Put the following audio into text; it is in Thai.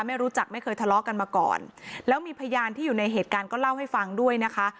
ไม่รู้จักไม่เคยทะเลาะกันมาก่อนแล้วมีพยานที่อยู่ในเหตุการณ์ก็เล่าให้ฟังด้วยนะคะ